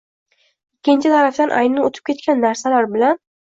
ikkinchi tarafdan aynan o‘tib ketgan narsalar bilan